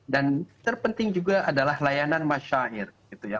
dan terpenting juga adalah layanan masyair gitu ya